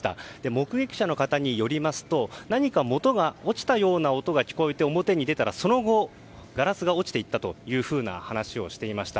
目撃者の方によりますと何か物が落ちたような音が聞こえて表に出たらその後ガラスが落ちていたという話をしていました。